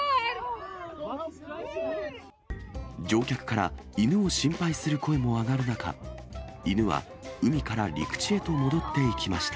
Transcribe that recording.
乗客から、犬を心配する声も上がる中、犬は海から陸地へと戻っていきました。